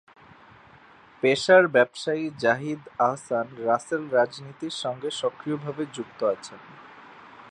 পেশার ব্যবসায়ী জাহিদ আহসান রাসেল রাজনীতির সঙ্গে সক্রিয় ভাবে যুক্ত আছেন।